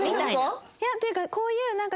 いやっていうかこういうへえ！